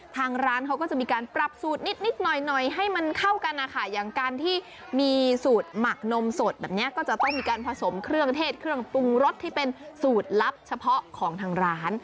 ทางร้านเขาก็จะมีการปรับสูตรนิดหน่อยหน่อยให้มันเข้ากันนะคะอย่างการที่มีสูตรหมักนมสดแบบนี้ก็จะต้องมีการผสมเครื่องเทศเครื่องปรุงรสที่เป็นสูตรลับเฉพาะของทางร้าน